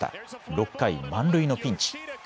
６回、満塁のピンチ。